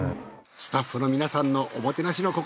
スタッフの皆さんのおもてなしの心。